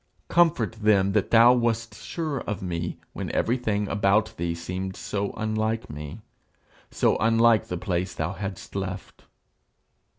Comfort them that thou wast sure of me when everything about thee seemed so unlike me, so unlike the place thou hadst left."'